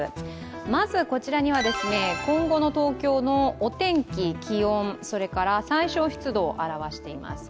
まず、今後の東京のお天気、気温、それから最小湿度を表しています。